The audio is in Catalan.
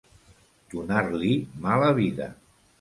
Donar-li mala vida.